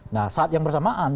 nah saat yang bersamaan